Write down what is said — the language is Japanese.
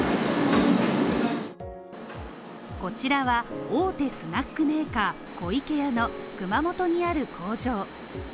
こちらは大手スナックメーカー湖池屋の熊本にある工場。